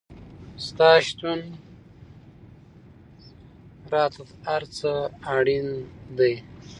ستا شتون راته تر هر څه اړین دی